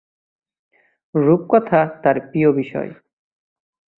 রূপকথা তার প্রিয় বিষয়।